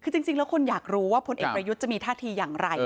คือจริงแล้วคนอยากรู้ว่าพลเอกประยุทธ์จะมีท่าทีอย่างไร